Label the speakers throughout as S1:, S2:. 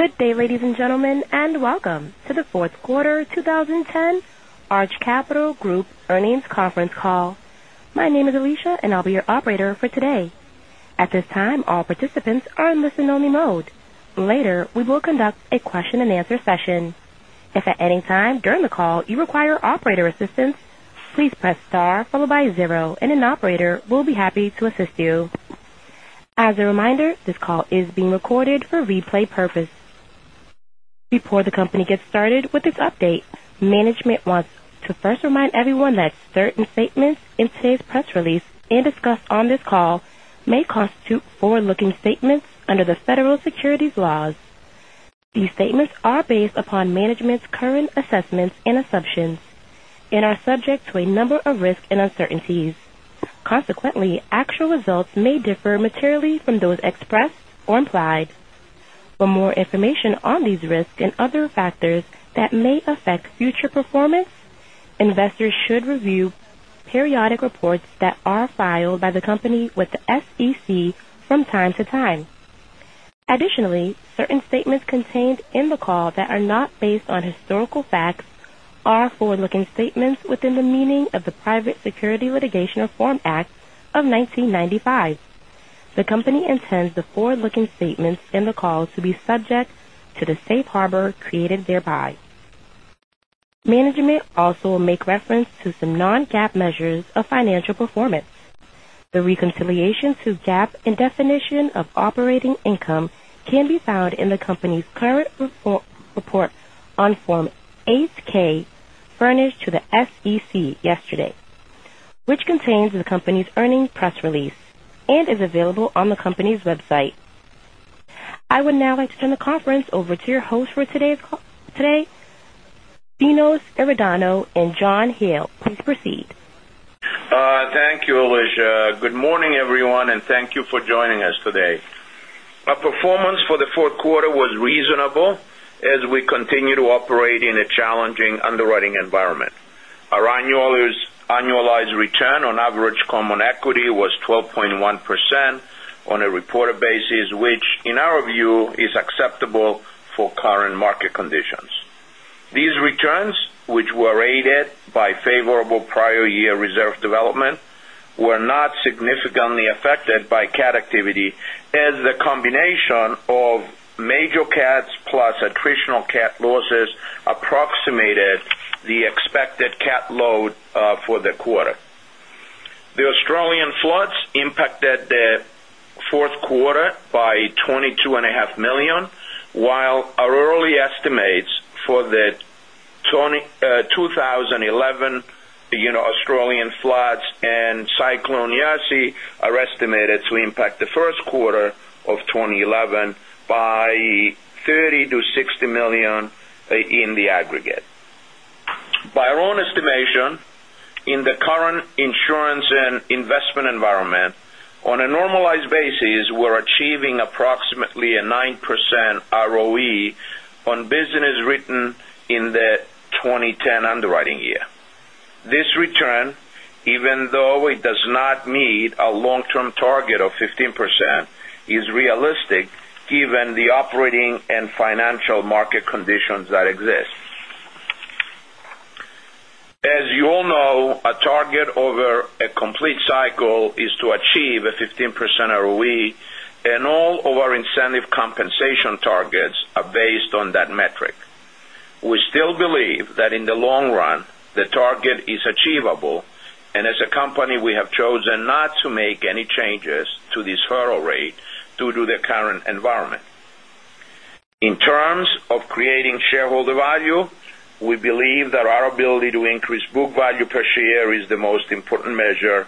S1: Good day, ladies and gentlemen, welcome to the fourth quarter 2010 Arch Capital Group earnings conference call. My name is Alicia, and I'll be your operator for today. At this time, all participants are in listen-only mode. Later, we will conduct a question-and-answer session. If at any time during the call you require operator assistance, please press star followed by zero, and an operator will be happy to assist you. As a reminder, this call is being recorded for replay purpose. Before the company gets started with its update, management wants to first remind everyone that certain statements in today's press release and discussed on this call may constitute forward-looking statements under the Federal Securities laws. These statements are based upon management's current assessments and assumptions and are subject to a number of risks and uncertainties. Consequently, actual results may differ materially from those expressed or implied. For more information on these risks and other factors that may affect future performance, investors should review periodic reports that are filed by the company with the SEC from time to time. Additionally, certain statements contained in the call that are not based on historical facts are forward-looking statements within the meaning of the Private Securities Litigation Reform Act of 1995. The company intends the forward-looking statements in the call to be subject to the safe harbor created thereby. Management also will make reference to some non-GAAP measures of financial performance. The reconciliation to GAAP and definition of operating income can be found in the company's current report on Form 8-K furnished to the SEC yesterday, which contains the company's earnings press release and is available on the company's website. I would now like to turn the conference over to your host for today's call, Dinos Iordanou and John Hele. Please proceed.
S2: Thank you, Alicia. Good morning, everyone, thank you for joining us today. Our performance for the fourth quarter was reasonable as we continue to operate in a challenging underwriting environment. Our annualized return on average common equity was 12.1% on a reported basis, which in our view is acceptable for current market conditions. These returns, which were aided by favorable prior year reserve development, were not significantly affected by cat activity as the combination of major cats plus attritional cat losses approximated the expected cat load for the quarter. The Australian floods impacted the fourth quarter by twenty-two and a half million, while our early estimates for the 2011 Australian floods and Cyclone Yasi are estimated to impact the first quarter of 2011 by $30 million-$60 million in the aggregate. By our own estimation, in the current insurance and investment environment, on a normalized basis, we're achieving approximately a 9% ROE on business written in the 2010 underwriting year. This return, even though it does not meet our long-term target of 15%, is realistic given the operating and financial market conditions that exist. As you all know, a target over a complete cycle is to achieve a 15% ROE, and all of our incentive compensation targets are based on that metric. We still believe that in the long run, the target is achievable, and as a company, we have chosen not to make any changes to this hurdle rate due to the current environment. In terms of creating shareholder value, we believe that our ability to increase book value per share is the most important measure,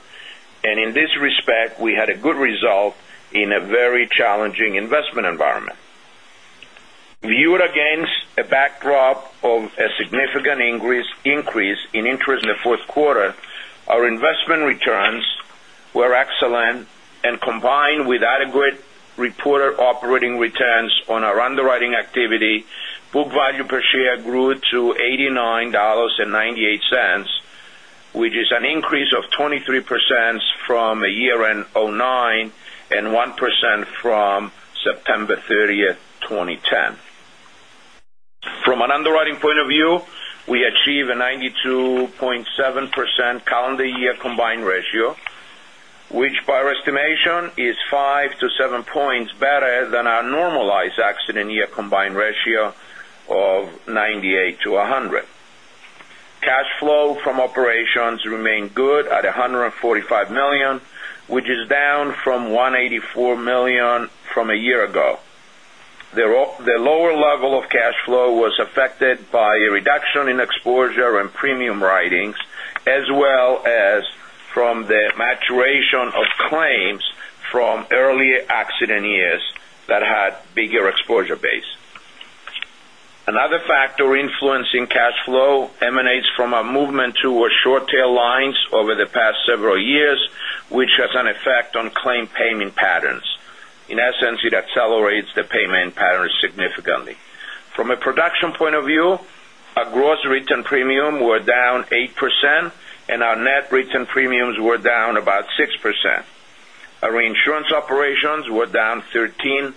S2: and in this respect, we had a good result in a very challenging investment environment. Viewed against a backdrop of a significant increase in interest in the fourth quarter, our investment returns were excellent, and combined with adequate reported operating returns on our underwriting activity, book value per share grew to $89.98, which is an increase of 23% from year-end 2009 and 1% from September 30th, 2010. From an underwriting point of view, we achieved a 92.7% calendar year combined ratio, which by our estimation is five to seven points better than our normalized accident year combined ratio of 98 to 100. Cash flow from operations remained good at $145 million, which is down from $184 million from a year ago. The lower level of cash flow was affected by a reduction in exposure and premium writings, as well as from the maturation of claims from earlier accident years that had bigger exposure base. Another factor influencing cash flow emanates from a movement towards short tail lines over the past several years, which has an effect on claim payment patterns. In essence, it accelerates the payment patterns significantly. From a production point of view, our gross written premium were down 8% and our net written premiums were down about 6%. Our reinsurance operations were down 13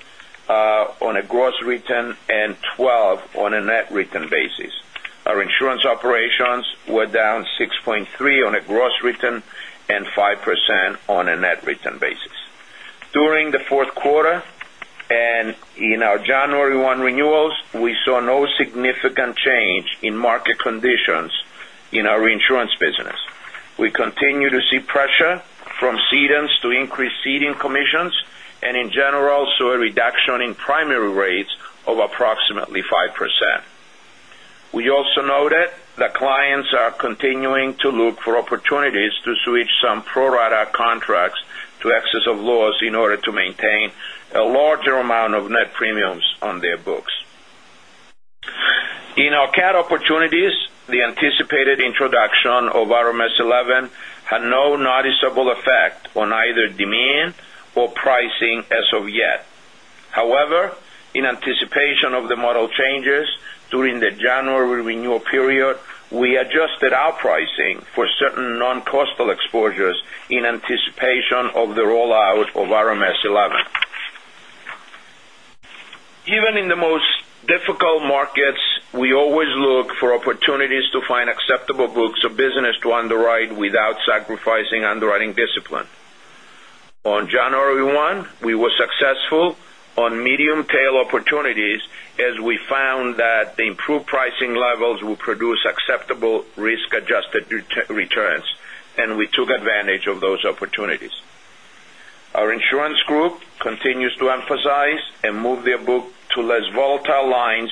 S2: on a gross written and 12 on a net written basis. Our insurance operations were down 6.3 on a gross written and 5% on a net written basis. During the fourth quarter, in our January 1 renewals, we saw no significant change in market conditions in our reinsurance business. We continue to see pressure from cedents to increase ceding commissions, and in general, saw a reduction in primary rates of approximately 5%. We also noted that clients are continuing to look for opportunities to switch some pro-rata contracts to excess of loss in order to maintain a larger amount of net premiums on their books. In our cat opportunities, the anticipated introduction of RMS 11 had no noticeable effect on either demand or pricing as of yet. However, in anticipation of the model changes during the January renewal period, we adjusted our pricing for certain non-coastal exposures in anticipation of the rollout of RMS 11. Even in the most difficult markets, we always look for opportunities to find acceptable books of business to underwrite without sacrificing underwriting discipline. On January 1, we were successful on medium tail opportunities as we found that the improved pricing levels will produce acceptable risk-adjusted returns, and we took advantage of those opportunities. Our insurance group continues to emphasize and move their book to less volatile lines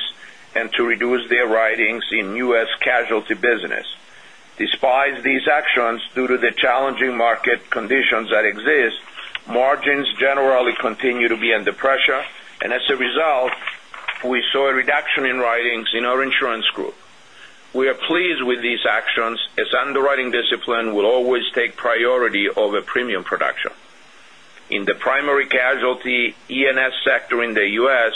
S2: and to reduce their writings in U.S. casualty business. Despite these actions, due to the challenging market conditions that exist, margins generally continue to be under pressure. As a result, we saw a reduction in writings in our insurance group. We are pleased with these actions, as underwriting discipline will always take priority over premium production. In the primary casualty E&S sector in the U.S.,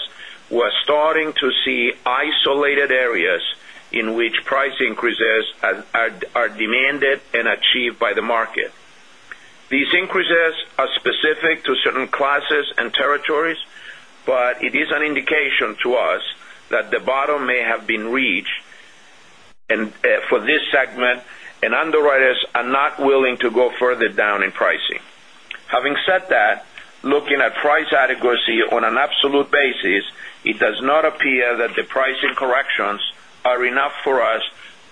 S2: we are starting to see isolated areas in which price increases are demanded and achieved by the market. These increases are specific to certain classes and territories. It is an indication to us that the bottom may have been reached for this segment. Underwriters are not willing to go further down in pricing. Having said that, looking at price adequacy on an absolute basis, it does not appear that the pricing corrections are enough for us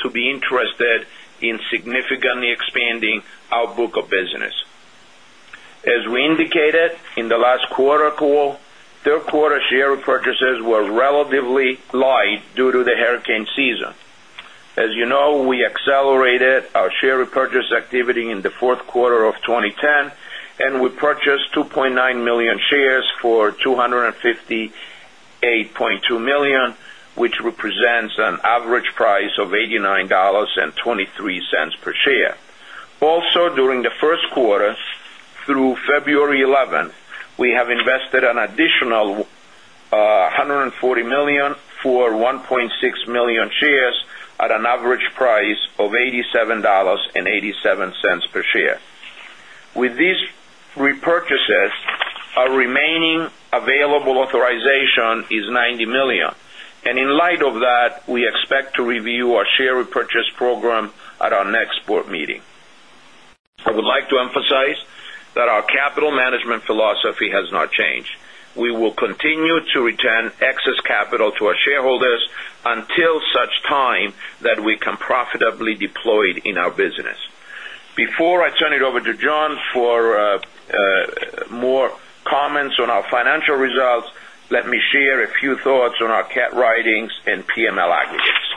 S2: to be interested in significantly expanding our book of business. As we indicated in the last quarter call, third quarter share repurchases were relatively light due to the hurricane season. As you know, we accelerated our share repurchase activity in the fourth quarter of 2010. We purchased 2.9 million shares for $258.2 million, which represents an average price of $89.23 per share. Also, during the first quarter through February 11, we have invested an additional $140 million for 1.6 million shares at an average price of $87.87 per share. With these repurchases, our remaining available authorization is $90 million. In light of that, we expect to review our share repurchase program at our next board meeting. I would like to emphasize that our capital management philosophy has not changed. We will continue to return excess capital to our shareholders until such time that we can profitably deploy it in our business. Before I turn it over to John for more comments on our financial results, let me share a few thoughts on our cat writings and PML aggregates.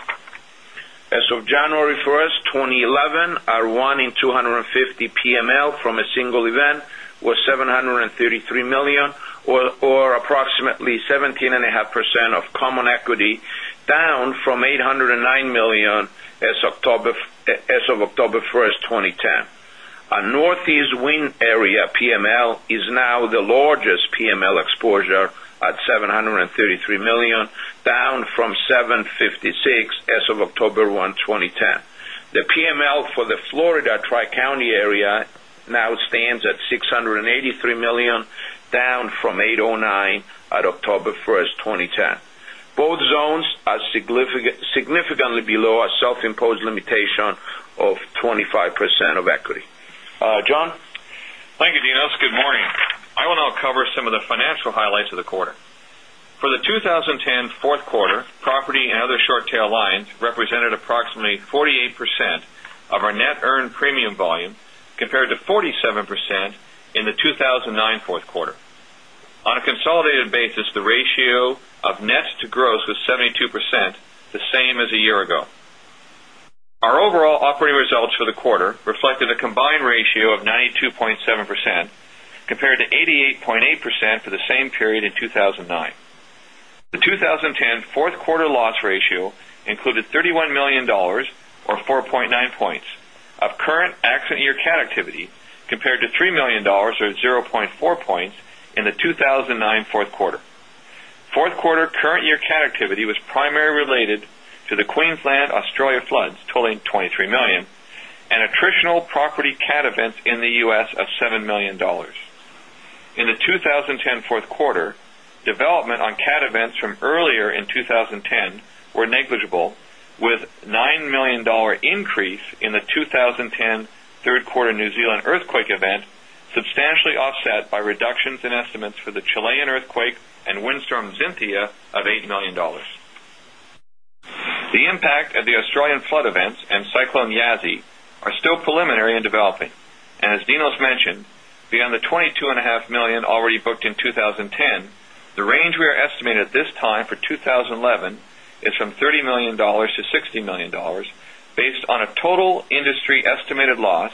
S2: As of January 1, 2011, our 1 in 250 PML from a single event was $733 million, or approximately 17.5% of common equity, down from $809 million as of October 1, 2010. Our Northeast wind area PML is now the largest PML exposure at $733 million, down from $756 million as of October 1, 2010. The PML for the Florida Tri-County area now stands at $683 million, down from $809 million at October 1, 2010. Both zones are significantly below our self-imposed limitation of 25% of equity. John?
S3: Thank you, Dinos. Good morning. I will now cover some of the financial highlights of the quarter. For the 2010 fourth quarter, property and other short tail lines represented approximately 48% of our net earned premium volume, compared to 47% in the 2009 fourth quarter. On a consolidated basis, the ratio of net to gross was 72%, the same as a year ago. Our overall operating results for the quarter reflected a combined ratio of 92.7%, compared to 88.8% for the same period in 2009. The 2010 fourth quarter loss ratio included $31 million, or 4.9 points of current accident year cat activity, compared to $3 million or 0.4 points in the 2009 fourth quarter. Fourth quarter current year cat activity was primarily related to the Queensland, Australia floods totaling $23 million and attritional property cat events in the U.S. of $7 million. In the 2010 fourth quarter, development on cat events from earlier in 2010 were negligible, with $9 million increase in the 2010 third quarter New Zealand earthquake event substantially offset by reductions in estimates for the Chilean earthquake and Windstorm Xynthia of $8 million. The impact of the Australian flood events and Cyclone Yasi are still preliminary in developing, and as Dinos mentioned, beyond the $22.5 million already booked in 2010, the range we are estimating at this time for 2011 is from $30 million-$60 million, based on a total industry estimated loss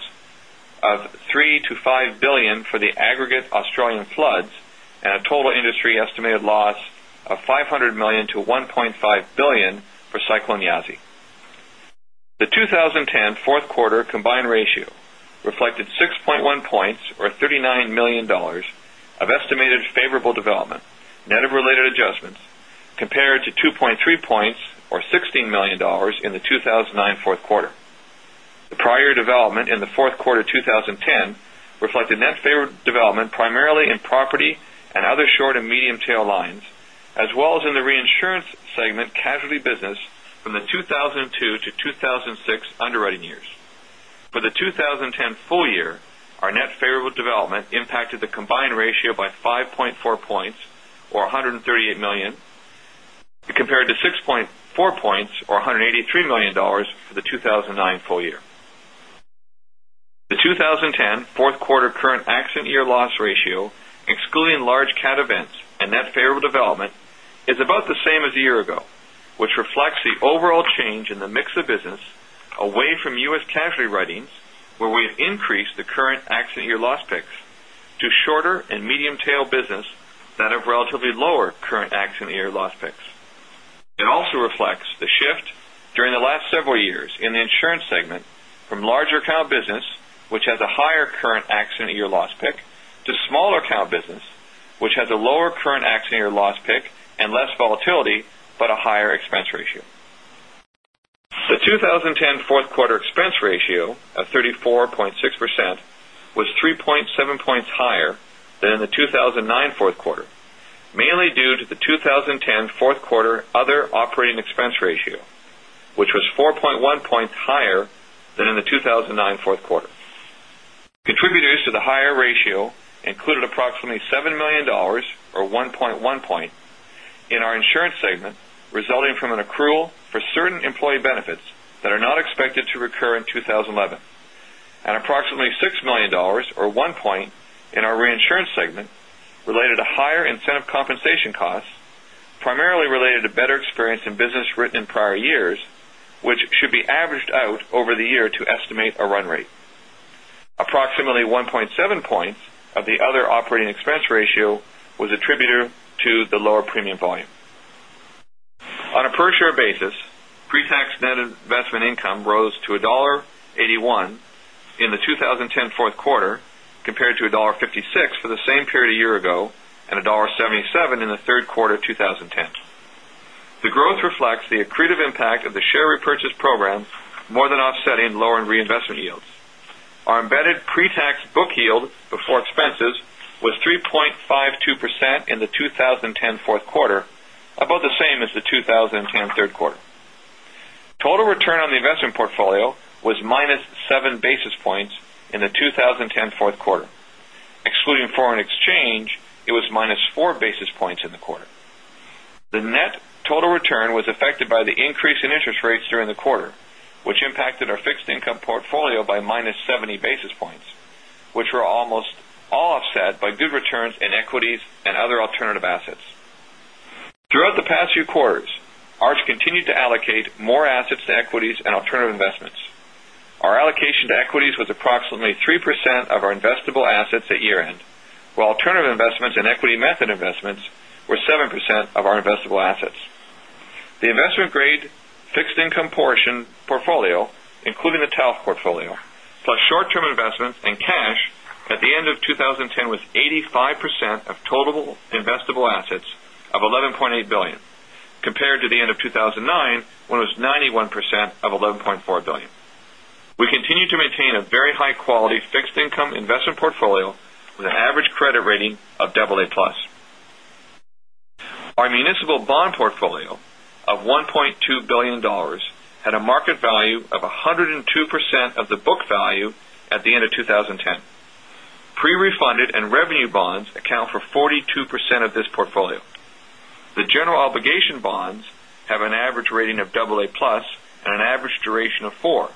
S3: of $3 billion-$5 billion for the aggregate Australian floods and a total industry estimated loss of $500 million-$1.5 billion for Cyclone Yasi. The 2010 fourth quarter combined ratio reflected 6.1 points or $39 million of estimated favorable development, net of related adjustments, compared to 2.3 points or $16 million in the 2009 fourth quarter. The prior development in the fourth quarter 2010 reflected net favor development primarily in property and other short and medium tail lines, as well as in the reinsurance segment casualty business from the 2002-2006 underwriting years. For the 2010 full year, our net favorable development impacted the combined ratio by 5.4 points, or $138 million, compared to 6.4 points or $183 million for the 2009 full year. The 2010 fourth quarter current accident year loss ratio, excluding large cat events and net favorable development, is about the same as a year ago, which reflects the overall change in the mix of business away from U.S. casualty writings, where we have increased the current accident year loss picks to shorter and medium tail business that have relatively lower current accident year loss picks. It also reflects the shift during the last several years in the insurance segment from larger account business, which has a higher current accident year loss pick, to smaller account business, which has a lower current accident year loss pick and less volatility, but a higher expense ratio. The 2010 fourth quarter expense ratio of 34.6% was 3.7 points higher than in the 2009 fourth quarter, mainly due to the 2010 fourth quarter other operating expense ratio, which was 4.1 points higher than in the 2009 fourth quarter. Contributors to the higher ratio included approximately $7 million, or 1.1 point, in our insurance segment, resulting from an accrual for certain employee benefits that are not expected to recur in 2011. Approximately $6 million, or one point, in our reinsurance segment related to higher incentive compensation costs, primarily related to better experience in business written in prior years, which should be averaged out over the year to estimate a run rate. Approximately 1.7 points of the other operating expense ratio was attributed to the lower premium volume. On a per share basis, pre-tax net investment income rose to $1.81 in the 2010 fourth quarter compared to $1.56 for the same period a year ago and $1.77 in the third quarter 2010. The growth reflects the accretive impact of the share repurchase program more than offsetting lower reinvestment yields. Our embedded pre-tax book yield before expenses was 3.52% in the 2010 fourth quarter, about the same as the 2010 third quarter. Total return on the investment portfolio was minus seven basis points in the 2010 fourth quarter. Excluding foreign exchange, it was minus four basis points in the quarter. The net total return was affected by the increase in interest rates during the quarter, which impacted our fixed income portfolio by minus 70 basis points, which were almost all offset by good returns in equities and other alternative assets. Throughout the past few quarters, Arch continued to allocate more assets to equities and alternative investments. Our allocation to equities was approximately 3% of our investable assets at year-end, while alternative investments and equity method investments were 7% of our investable assets. The investment grade fixed income portion portfolio, including the TALF portfolio, plus short-term investments and cash at the end of 2010 was 85% of total investable assets of $11.8 billion compared to the end of 2009, when it was 91% of $11.4 billion. We continue to maintain a very high quality fixed income investment portfolio with an average credit rating of double A plus. Our municipal bond portfolio of $1.2 billion had a market value of 102% of the book value at the end of 2010. Pre-refunded and revenue bonds account for 42% of this portfolio. The general obligation bonds have an average rating of double A plus and an average duration of four,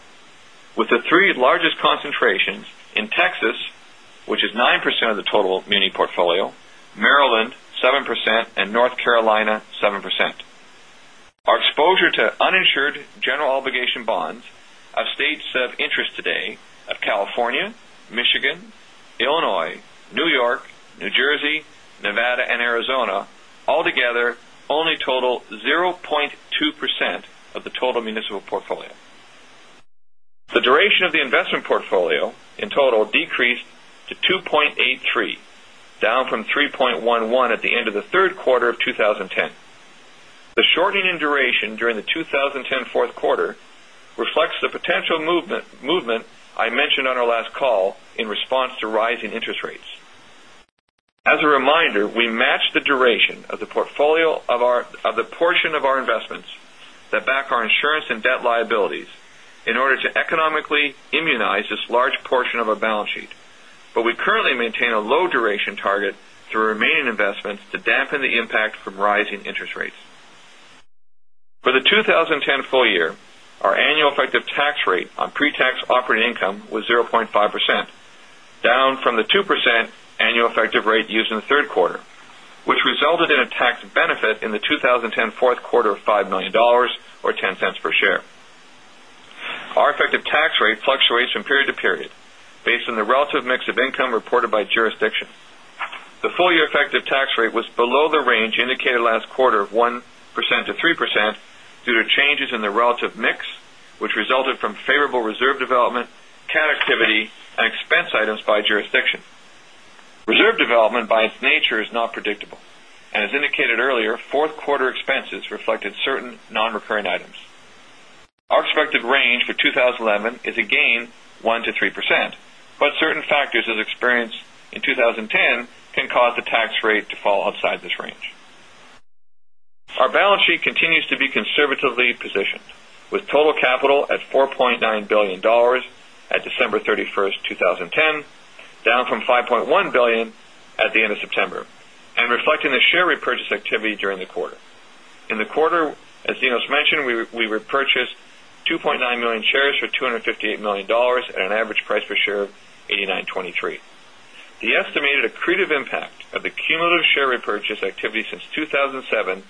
S3: with the three largest concentrations in Texas, which is 9% of the total muni portfolio, Maryland 7%, and North Carolina 7%. Our exposure to uninsured general obligation bonds of states of interest today of California, Michigan, Illinois, New York, New Jersey, Nevada, and Arizona altogether only total 0.2% of the total municipal portfolio. The duration of the investment portfolio in total decreased to 2.83, down from 3.11 at the end of the third quarter of 2010. The shortening in duration during the 2010 fourth quarter reflects the potential movement I mentioned on our last call, in response to rising interest rates. As a reminder, we match the duration of the portion of our investments that back our insurance and debt liabilities in order to economically immunize this large portion of our balance sheet. We currently maintain a low duration target through our remaining investments to dampen the impact from rising interest rates. For the 2010 full-year, our annual effective tax rate on pre-tax operating income was 0.5%, down from the 2% annual effective rate used in the third quarter, which resulted in a tax benefit in the 2010 fourth quarter of $5 million or $0.10 per share. Our effective tax rate fluctuates from period to period based on the relative mix of income reported by jurisdiction. The full-year effective tax rate was below the range indicated last quarter of 1%-3% due to changes in the relative mix, which resulted from favorable reserve development, cat activity, and expense items by jurisdiction. Reserve development, by its nature, is not predictable. As indicated earlier, fourth quarter expenses reflected certain non-recurring items. Our expected range for 2011 is again 1%-3%, but certain factors, as experienced in 2010, can cause the tax rate to fall outside this range. Our balance sheet continues to be conservatively positioned, with total capital at $4.9 billion at December 31st, 2010, down from $5.1 billion at the end of September and reflecting the share repurchase activity during the quarter. In the quarter, as Dinos mentioned, we repurchased 2.9 million shares for $258 million at an average price per share of $89.23. The estimated accretive impact of the cumulative share repurchase activity since 2007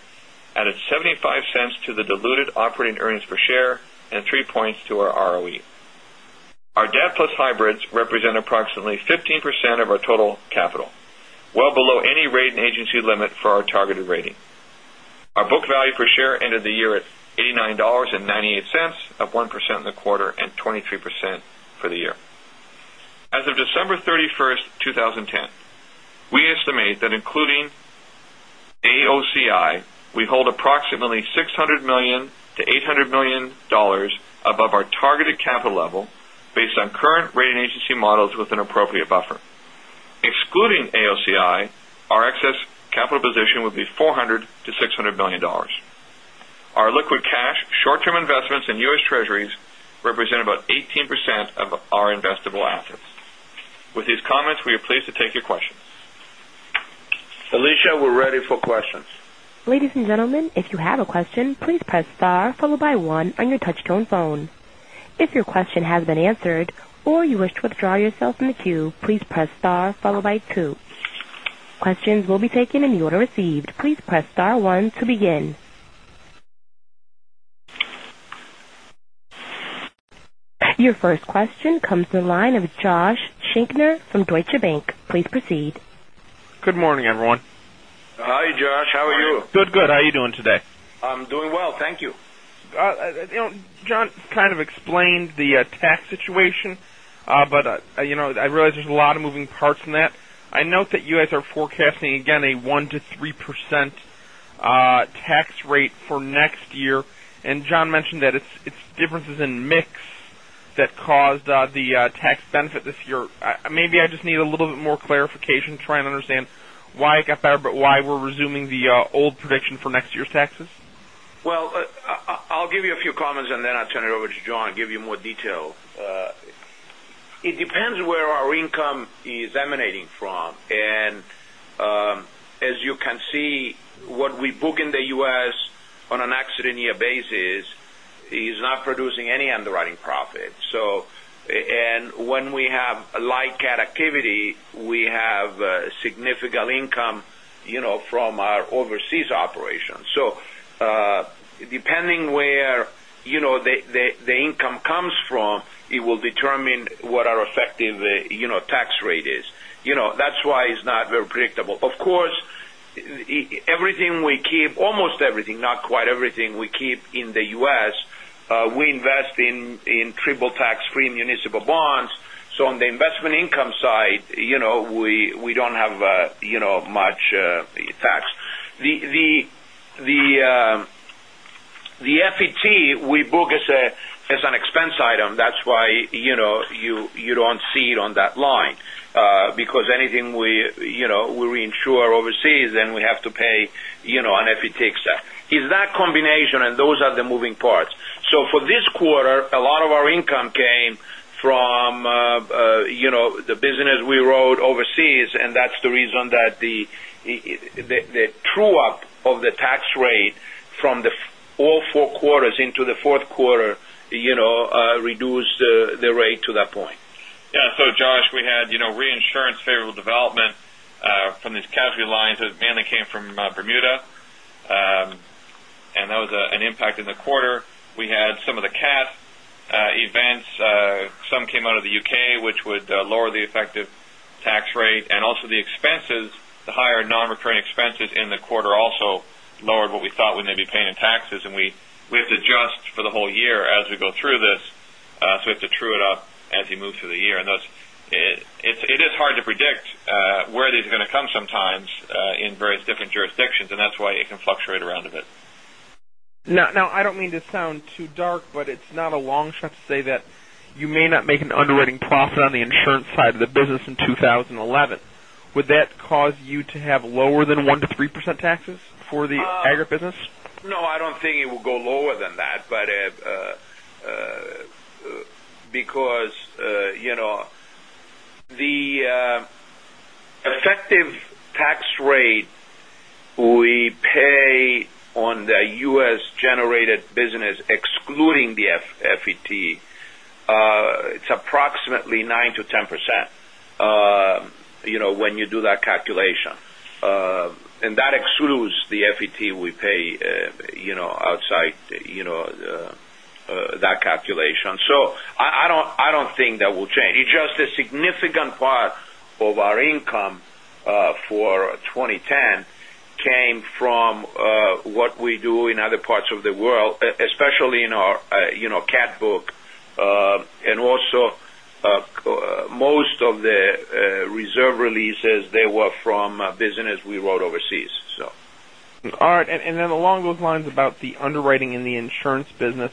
S3: added $0.75 to the diluted operating earnings per share and three points to our ROE. Our debt plus hybrids represent approximately 15% of our total capital, well below any rating agency limit for our targeted rating. Our book value per share ended the year at $89.98, up 1% in the quarter and 23% for the year. As of December 31st, 2010, we estimate that including AOCI, we hold approximately $600 million-$800 million above our targeted capital level based on current rating agency models with an appropriate buffer. Excluding AOCI, our excess capital position would be $400 million-$600 million. Our liquid cash short-term investments in U.S. Treasuries represent about 18% of our investable assets. With these comments, we are pleased to take your questions.
S2: Alicia, we're ready for questions.
S1: Ladies and gentlemen, if you have a question, please press star followed by one on your touch-tone phone. If your question has been answered or you wish to withdraw yourself from the queue, please press star followed by two. Questions will be taken in the order received. Please press star one to begin. Your first question comes to the line of Joshua Shanker from Deutsche Bank. Please proceed.
S4: Good morning, everyone.
S2: Hi, Josh. How are you?
S4: Good. How are you doing today?
S2: I'm doing well. Thank you.
S4: John kind of explained the tax situation, I realize there's a lot of moving parts in that. I note that you guys are forecasting, again, a 1%-3% tax rate for next year. John mentioned that it's differences in mix that caused the tax benefit this year. Maybe I just need a little bit more clarification to try and understand why it got better, why we're resuming the old prediction for next year's taxes.
S2: Well, I'll give you a few comments then I'll turn it over to John to give you more detail. It depends where our income is emanating from. As you can see, what we book in the U.S. on an accident year basis is not producing any underwriting profit. When we have light cat activity, we have significant income from our overseas operations. Depending where the income comes from, it will determine what our effective tax rate is. That's why it's not very predictable. Of course, everything we keep, almost everything, not quite everything we keep in the U.S., we invest in triple tax-free municipal bonds. On the investment income side, we don't have much tax. The FET we book as an expense item. That's why you don't see it on that line because anything we insure overseas, then we have to pay an FET tax. It's that combination, those are the moving parts. For this quarter, a lot of our income came from the business we wrote overseas, that's the reason that the true-up of the tax rate from all four quarters into the fourth quarter reduced the rate to that point.
S3: Josh, we had reinsurance favorable development from these casualty lines that mainly came from Bermuda. That was an impact in the quarter. We had some of the cat events. Some came out of the U.K., which would lower the effective tax rate and also the expenses, the higher non-recurring expenses in the quarter also lowered what we thought we may be paying in taxes. We have to adjust for the whole year as we go through this, so we have to true it up as we move through the year. It is hard to predict where it is going to come sometimes in various different jurisdictions, and that's why it can fluctuate around a bit.
S4: I don't mean to sound too dark, it's not a long shot to say that you may not make an underwriting profit on the insurance side of the business in 2011. Would that cause you to have lower than 1%-3% taxes for the aggregate business?
S3: I don't think it will go lower than that. The effective tax rate we pay on the U.S.-generated business, excluding the FET, it's approximately 9%-10% when you do that calculation. That excludes the FET we pay outside that calculation. I don't think that will change. It's just a significant part of our income for 2010 came from what we do in other parts of the world, especially in our cat book. Also, most of the reserve releases, they were from business we wrote overseas.
S4: All right. Along those lines about the underwriting in the insurance business.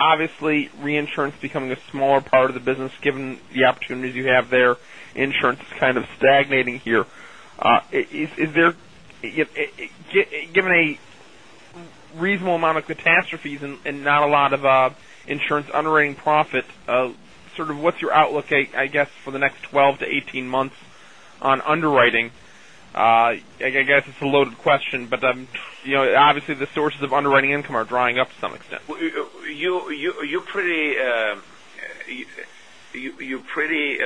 S4: Obviously, reinsurance becoming a smaller part of the business, given the opportunities you have there. Insurance is kind of stagnating here. Given a reasonable amount of catastrophes and not a lot of insurance underwriting profit, sort of what's your outlook, I guess, for the next 12 to 18 months on underwriting? I guess it's a loaded question, obviously the sources of underwriting income are drying up to some extent.
S2: You're pretty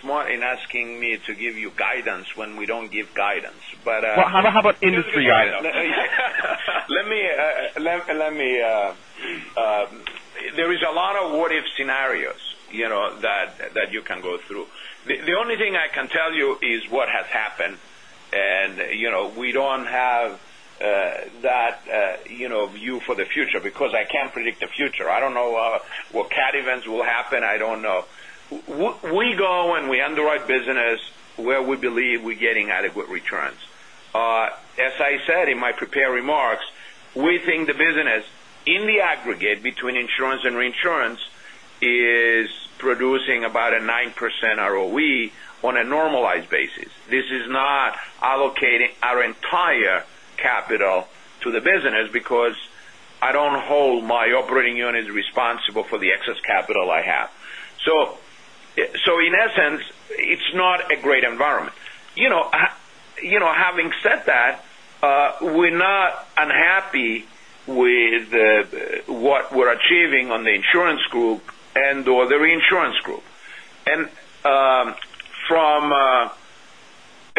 S2: smart in asking me to give you guidance when we don't give guidance.
S4: Well, how about industry guidance?
S3: There is a lot of what if scenarios that you can go through. The only thing I can tell you is what has happened. We don't have that view for the future because I can't predict the future. I don't know what cat events will happen. I don't know. We go and we underwrite business where we believe we're getting adequate returns. As I said in my prepared remarks, we think the business in the aggregate between insurance and reinsurance is producing about a 9% ROE on a normalized basis. This is not allocating our entire capital to the business because I don't hold my operating units responsible for the excess capital I have. In essence, it's not a great environment. Having said that, we're not unhappy with what we're achieving on the insurance group and/or the reinsurance group. From a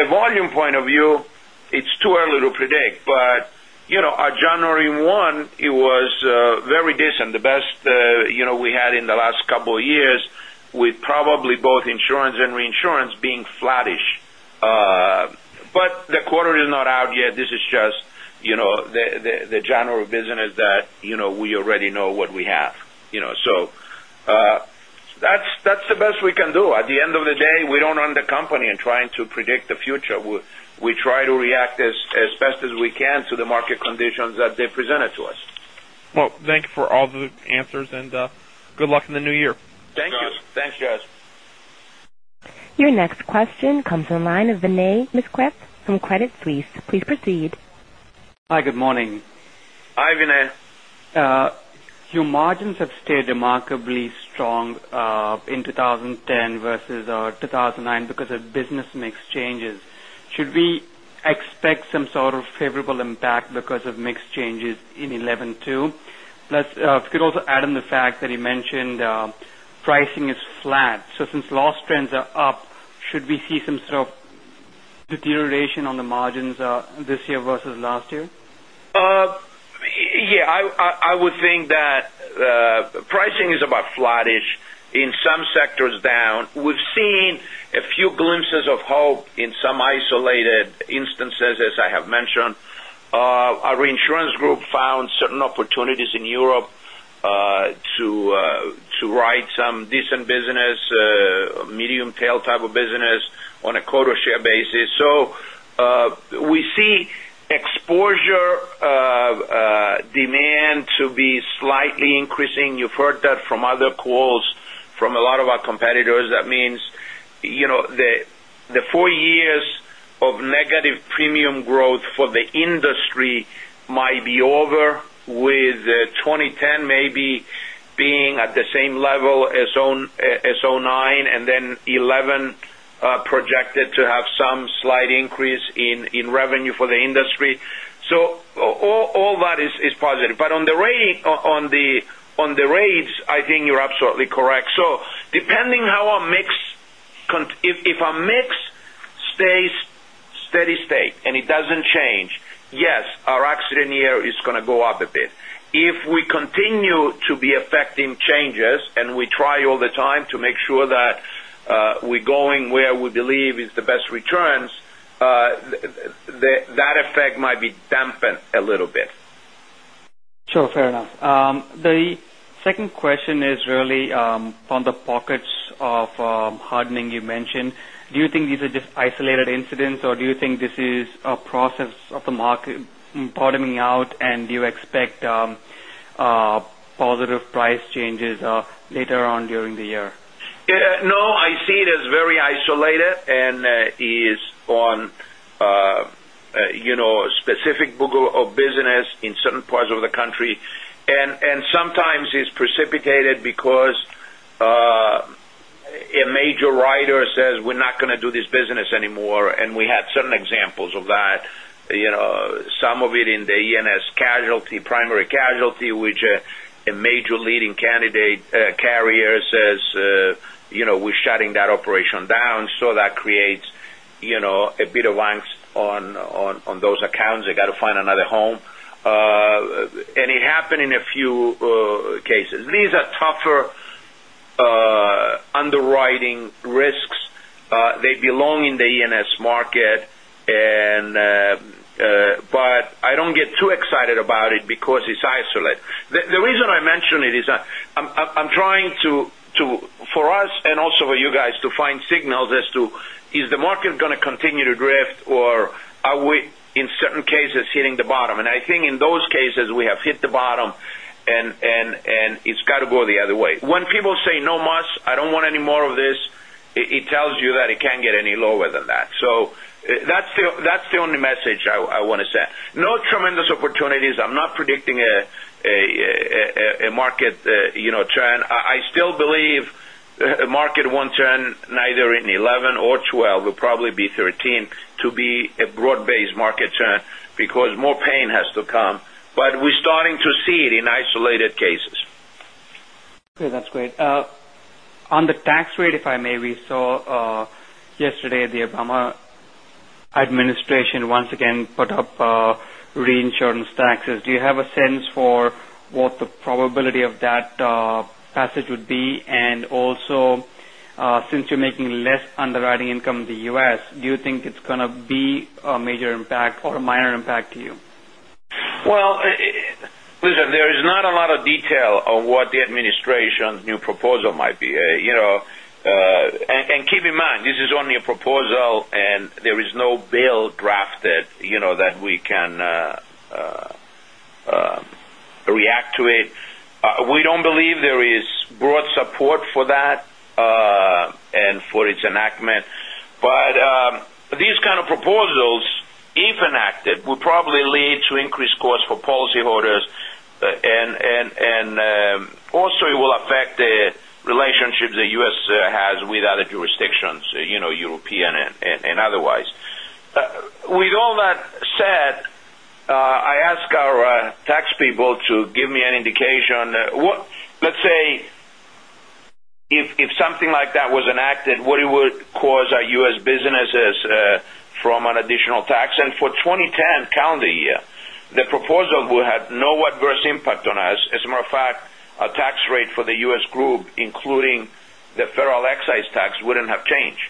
S3: volume point of view, it's too early to predict, our January 1, it was very decent. The best we had in the last couple of years with probably both insurance and reinsurance being flattish. The quarter is not out yet. This is just the general business that we already know what we have. That's the best we can do. At the end of the day, we don't run the company in trying to predict the future. We try to react as best as we can to the market conditions that they presented to us.
S4: Well, thank you for all the answers, and good luck in the new year.
S2: Thank you. Thanks, Josh.
S1: Your next question comes from the line of Vinay Misquith from Credit Suisse. Please proceed.
S5: Hi, good morning.
S2: Hi, Vinay.
S5: If you could also add in the fact that you mentioned pricing is flat. Since loss trends are up, should we see some sort of deterioration on the margins this year versus last year?
S2: Yeah. I would think that pricing is about flattish in some sectors down. We've seen a few glimpses of hope in some isolated instances, as I have mentioned. Our reinsurance group found certain opportunities in Europe to write some decent business, medium tail type of business on a quota share basis. We see exposure demand to be slightly increasing. You've heard that from other calls from a lot of our competitors. That means the 4 years of negative premium growth for the industry might be over with 2010 maybe being at the same level as 2009, and then 2011 projected to have some slight increase in revenue for the industry. All that is positive. On the rates, I think you're absolutely correct. Depending how our mix, if our mix Stays steady state and it doesn't change, yes, our accident year is going to go up a bit. If we continue to be effecting changes, and we try all the time to make sure that we're going where we believe is the best returns, that effect might be dampened a little bit.
S5: Sure. Fair enough. The second question is really on the pockets of hardening you mentioned. Do you think these are just isolated incidents, or do you think this is a process of the market bottoming out, and do you expect positive price changes later on during the year?
S2: No, I see it as very isolated. It is on a specific book of business in certain parts of the country. Sometimes it's precipitated because a major writer says, "We're not going to do this business anymore." We had certain examples of that. Some of it in the E&S casualty, primary casualty, which a major leading carrier says, "We're shutting that operation down." That creates a bit of angst on those accounts. They got to find another home. It happened in a few cases. These are tougher underwriting risks. They belong in the E&S market. I don't get too excited about it because it's isolated. The reason I mention it is I'm trying to, for us and also for you guys, to find signals as to, is the market going to continue to drift, or are we, in certain cases, hitting the bottom? I think in those cases, we have hit the bottom, and it's got to go the other way. When people say, "No mas, I don't want any more of this," it tells you that it can't get any lower than that. That's the only message I want to say. No tremendous opportunities. I'm not predicting a market trend. I still believe the market won't turn neither in 2011 or 2012, will probably be 2013, to be a broad-based market trend because more pain has to come. We're starting to see it in isolated cases.
S5: Okay. That's great. On the tax rate, if I may. We saw yesterday the Obama administration once again put up reinsurance taxes. Do you have a sense for what the probability of that passage would be? Also, since you're making less underwriting income in the U.S., do you think it's going to be a major impact or a minor impact to you?
S2: Well, listen, there is not a lot of detail on what the administration's new proposal might be. Keep in mind, this is only a proposal, and there is no bill drafted that we can react to it. We don't believe there is broad support for that and for its enactment. These kind of proposals, if enacted, will probably lead to increased cost for policyholders, and also it will affect the relationships the U.S. has with other jurisdictions, European and otherwise. With all that said, I ask our tax people to give me an indication. Let's say, if something like that was enacted, what it would cause our U.S. businesses from an additional tax. For 2010 calendar year, the proposal will have no adverse impact on us. As a matter of fact, our tax rate for the U.S. group, including the federal excise tax, wouldn't have changed.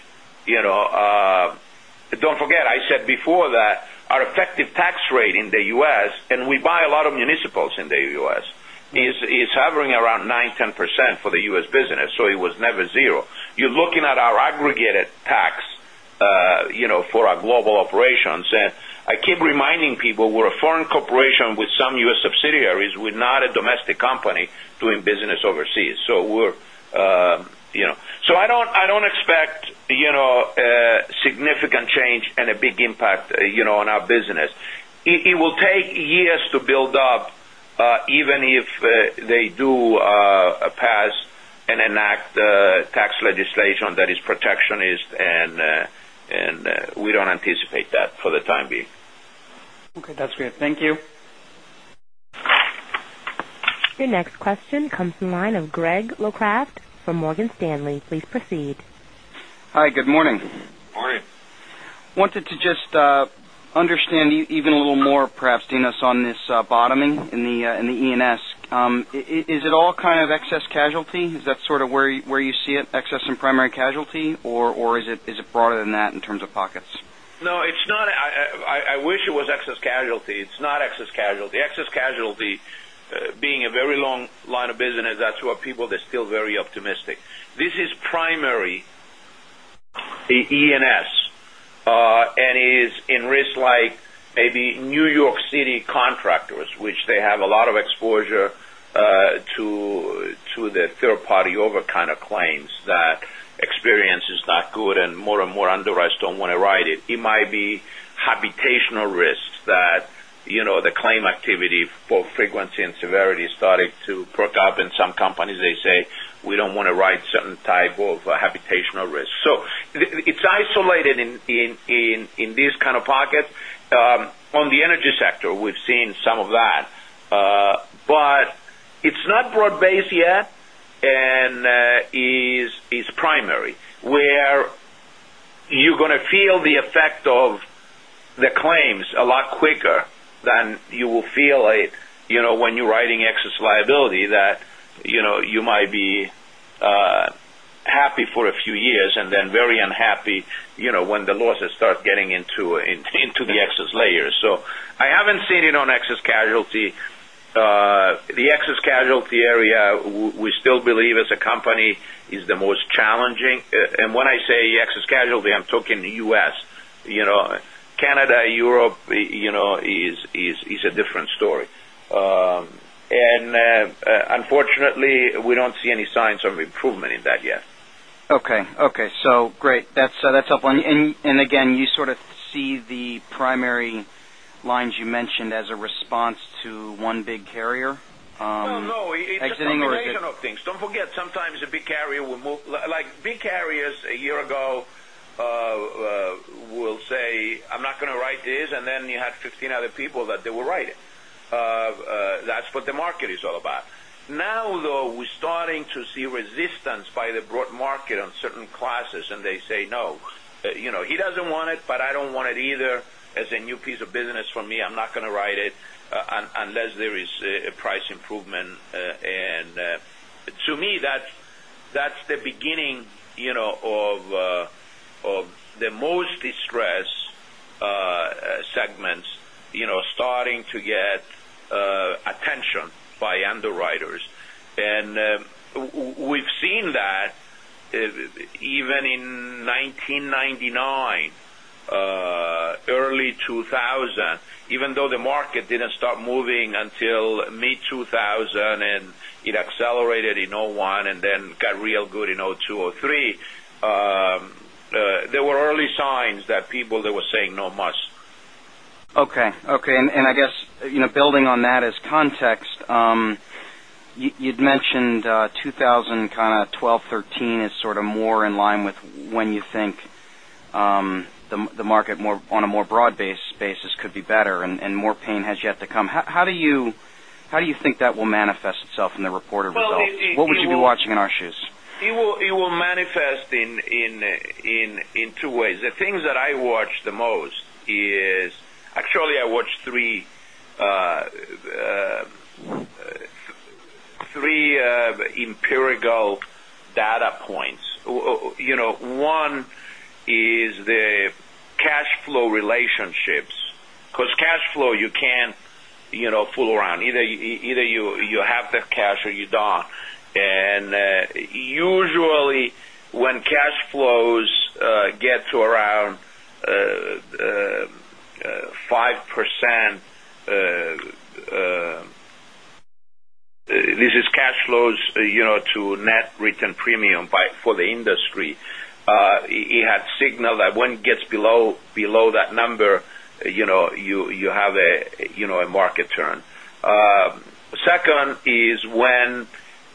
S2: Don't forget, I said before that our effective tax rate in the U.S., and we buy a lot of municipals in the U.S., is hovering around 9%-10% for the U.S. business, so it was never zero. You're looking at our aggregated tax for our global operations. I keep reminding people we're a foreign corporation with some U.S. subsidiaries. We're not a domestic company doing business overseas. I don't expect a significant change and a big impact on our business. It will take years to build up, even if they do pass and enact tax legislation that is protectionist, and we don't anticipate that for the time being.
S5: Okay. That's great. Thank you.
S1: Your next question comes from the line of Gregory Locraft from Morgan Stanley. Please proceed.
S6: Hi. Good morning.
S2: Morning.
S6: Wanted to just understand even a little more, perhaps, Dinos, on this bottoming in the E&S. Is it all kind of excess casualty? Is that sort of where you see it, excess and primary casualty, or is it broader than that in terms of pockets?
S2: No, it's not. I wish it was excess casualty. It's not excess casualty. Excess casualty, being a very long line of business, that's why people, they're still very optimistic. This is primary E&S, and it is in risks like maybe New York City contractors, which they have a lot of exposure to the third party over kind of claims that experience is not good and more and more underwriters don't want to write it. It might be habitational risks that the claim activity for frequency and severity started to perk up in some companies. They say, "We don't want to write certain type of habitational risk." It's isolated in these kind of pockets. On the energy sector, we've seen some of that. It's not broad-based yet, and it is primary, where you're going to feel the effect of the claims a lot quicker than you will feel when you're writing excess liability, that you might be happy for a few years and then very unhappy when the losses start getting into the excess layers. I haven't seen it on excess casualty. The excess casualty area, we still believe as a company, is the most challenging. When I say excess casualty, I'm talking the U.S. Canada, Europe is a different story. Unfortunately, we don't see any signs of improvement in that yet.
S6: Okay. Great. That's helpful. Again, you sort of see the primary lines you mentioned as a response to one big carrier?
S2: No, it's a combination of things. Don't forget, sometimes a big carrier will move. Big carriers, a year ago, will say, "I'm not going to write this," and then you have 15 other people that they will write it. That's what the market is all about. Now, though, we're starting to see resistance by the broad market on certain classes, and they say, "No. He doesn't want it, but I don't want it either as a new piece of business for me. I'm not going to write it unless there is a price improvement." To me, that's the beginning of the most distressed segments starting to get attention by underwriters. We've seen that even in 1999, early 2000. Even though the market didn't start moving until mid-2000, and it accelerated in 2001 and then got real good in 2002, 2003. There were early signs that people that were saying, "No mas.
S6: Okay. I guess, building on that as context, you'd mentioned 2000, kind of 2012, 2013 is sort of more in line with when you think the market on a more broad-based basis could be better and more pain has yet to come. How do you think that will manifest itself in the reported results? What would you be watching in our shoes?
S2: It will manifest in two ways. The things that I watch the most is, actually, I watch three empirical data points. One is the cash flow relationships, because cash flow, you can't fool around. Either you have the cash or you don't. Usually when cash flows get to around 5%, this is cash flows to net written premium for the industry. It had signaled that when it gets below that number, you have a market turn. Second is when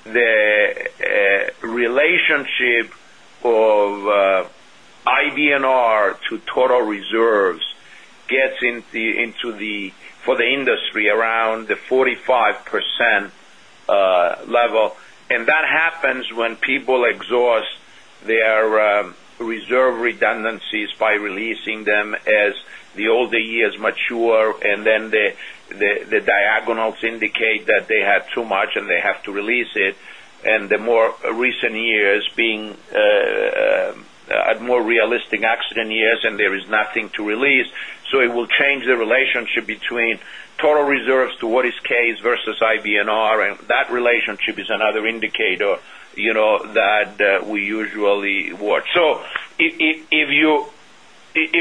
S2: the relationship of IBNR to total reserves gets into the, for the industry, around the 45% level. That happens when people exhaust their reserve redundancies by releasing them as the older years mature, and then the diagonals indicate that they have too much, and they have to release it. The more recent years being more realistic accident years, and there is nothing to release. It will change the relationship between total reserves to what is case versus IBNR, and that relationship is another indicator that we usually watch. If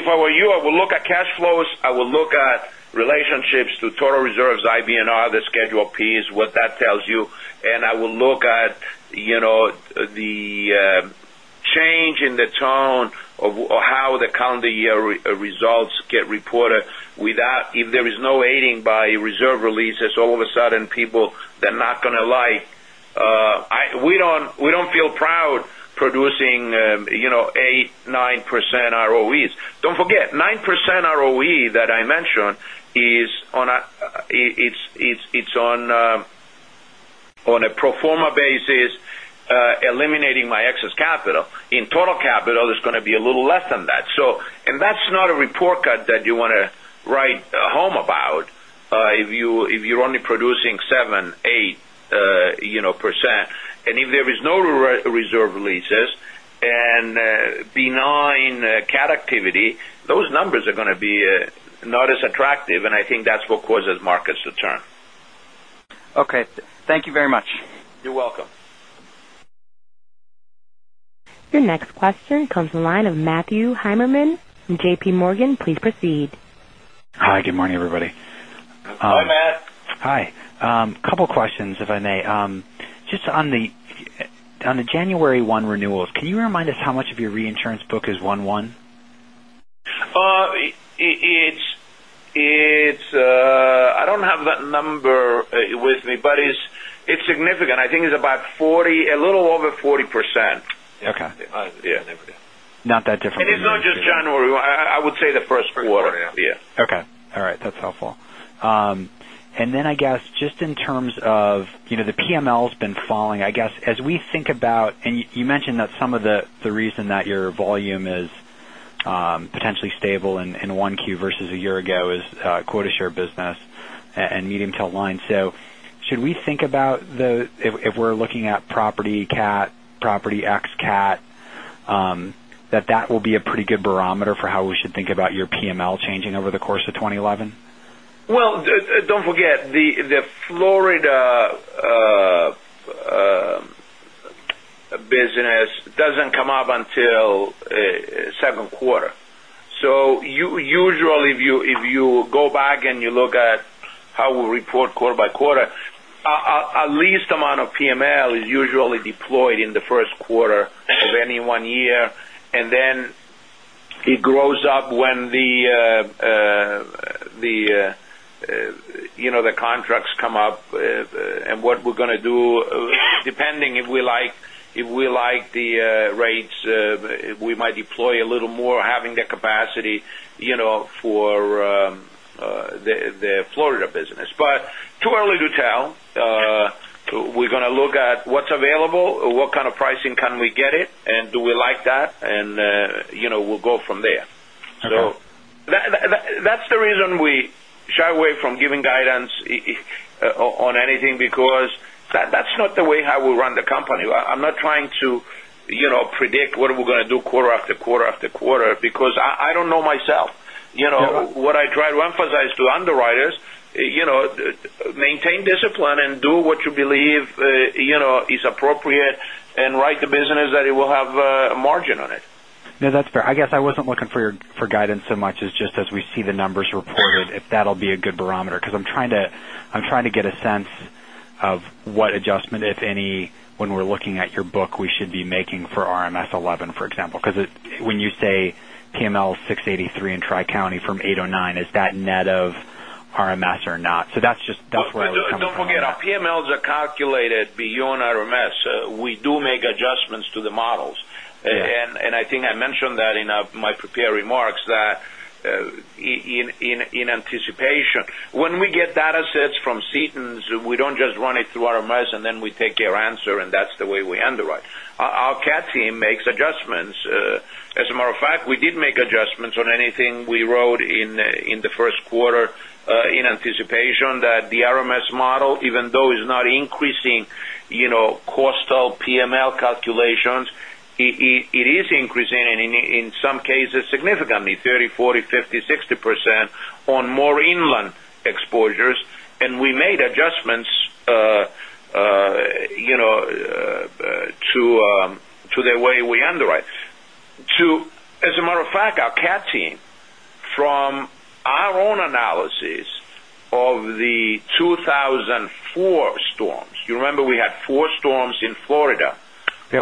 S2: I were you, I would look at cash flows, I would look at relationships to total reserves, IBNR, the Schedule P, what that tells you, and I would look at the change in the tone of how the calendar year results get reported without. If there is no aiding by reserve releases, all of a sudden, people, they're not going to lie. We don't feel proud producing 8%, 9% ROEs. Don't forget, 9% ROE that I mentioned is on a pro forma basis, eliminating my excess capital. In total capital, it's going to be a little less than that. That's not a report card that you want to write home about, if you're only producing 7%, 8%. If there is no reserve releases and benign cat activity, those numbers are going to be not as attractive, and I think that's what causes markets to turn.
S6: Okay. Thank you very much.
S2: You're welcome.
S1: Your next question comes from the line of Matthew Heimerman from JPMorgan. Please proceed.
S7: Hi, good morning, everybody.
S2: Hi, Matt.
S7: Hi. Couple questions, if I may. Just on the January 1 renewals, can you remind us how much of your reinsurance book is 1/1?
S2: I don't have that number with me, but it's significant. I think it's a little over 40%.
S7: Okay.
S2: Yeah.
S7: Not that differently.
S2: It's not just January. I would say the first quarter.
S7: First quarter.
S2: Yeah.
S7: Okay. All right. That's helpful. I guess, just in terms of the PMLs been falling, I guess, as we think about, you mentioned that some of the reason that your volume is potentially stable in 1Q versus a year ago is quota share business and medium-tail line. Should we think about if we're looking at property cat, property ex cat, that that will be a pretty good barometer for how we should think about your PML changing over the course of 2011?
S2: Don't forget, the Florida business doesn't come up until second quarter. Usually, if you go back and you look at how we report quarter by quarter, our least amount of PML is usually deployed in the first quarter of any one year, then it grows up when the contracts come up and what we're going to do, depending if we like the rates, we might deploy a little more, having the capacity for the Florida business. Too early to tell. We're going to look at what's available, what kind of pricing can we get it, and do we like that? We'll go from there.
S7: Okay.
S2: That's the reason we shy away from giving guidance on anything, because that's not the way how we run the company. I'm not trying to predict what are we going to do quarter after quarter after quarter, because I don't know myself.
S7: Sure.
S2: What I try to emphasize to underwriters, maintain discipline and do what you believe is appropriate and write the business that it will have a margin on it.
S7: No, that's fair. I guess I wasn't looking for guidance so much as just as we see the numbers reported, if that'll be a good barometer, because I'm trying to get a sense of what adjustment, if any, when we're looking at your book, we should be making for RMS 11, for example, because when you say PML is 683 in Tri-County from 809, is that net of RMS or not? That's where I was coming from.
S2: Don't forget, our PMLs are calculated beyond RMS. We do make adjustments to the models.
S7: Yeah.
S2: I think I mentioned that in my prepared remarks that in anticipation, when we get data sets from cedants, we don't just run it through RMS, and then we take their answer, and that's the way we underwrite. Our cat team makes adjustments. As a matter of fact, we did make adjustments on anything we wrote in the first quarter, in anticipation that the RMS model, even though is not increasing coastal PML calculations, it is increasing, and in some cases, significantly, 30%, 40%, 50%, 60% on more inland exposures, and we made adjustments to the way we underwrite. As a matter of fact, our cat team, from our own analysis of the 2004 storms, you remember we had four storms in Florida.
S7: Yeah.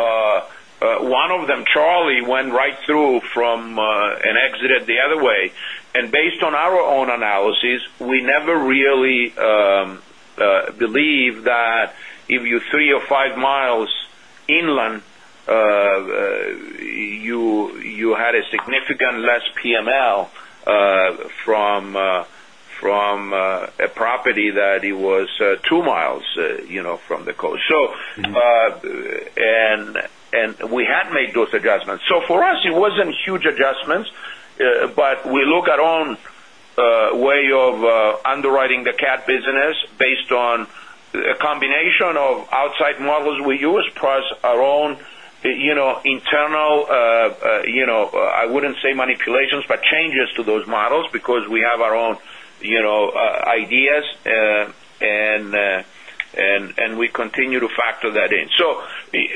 S2: One of them, Charley, went right through from and exited the other way. Based on our own analysis, we never really believed that if you're three or five miles inland, you had a significant less PML from a property that it was two miles from the coast. We had made those adjustments. For us, it wasn't huge adjustments. We look our own way of underwriting the cat business based on a combination of outside models we use, plus our own internal, I wouldn't say manipulations, but changes to those models because we have our own ideas, and we continue to factor that in.